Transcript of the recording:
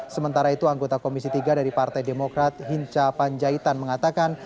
sementara itu anggota komisi tiga dari partai demokrat hinca panjaitan mengatakan